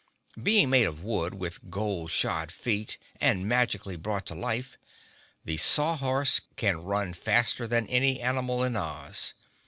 Being made of wood with gold shod feet and magically brought to life, the Saw Horse can run faster than any animal in Oz.